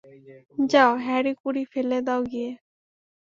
যাও হ্যাঁড়ি কুড়ি ফেলে দাও গিয়ে।